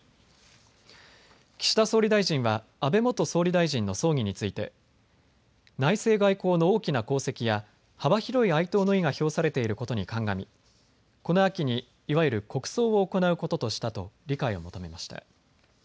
岸田総理大臣は安倍元総理大臣の葬儀について、内政・外交の大きな功績や幅広い哀悼の意が表されていることに鑑み、この秋にいわゆる国葬を行うこととしたと理解を求めました。